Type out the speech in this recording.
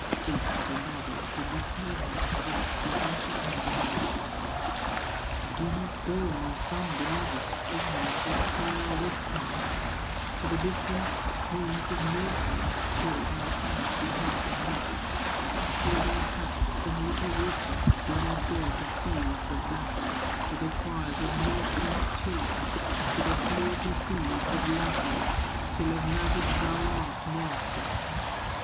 Seeks the mother to detain him, Thus the anxious mother answers: "Do not go, my son beloved, Ignorant of Pohya witchcraft, To the distant homes of Northland Till thou hast the art of magic, Till thou hast some little wisdom; Do not go to fields of battle, To the fires of Northland's children, To the slaughter fields of Lapland, Till of magic thou art master.